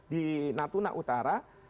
di natuna utara